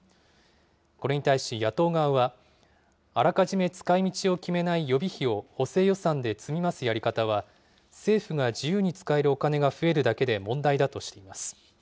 これに対し野党側は、あらかじめ使いみちを決めない予備費を補正予算で積み増すやり方は、政府が自由に使えるお金が増えるだけで問題だとしています。